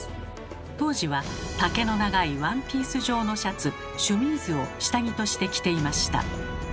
当時は丈の長いワンピース状のシャツシュミーズを下着として着ていました。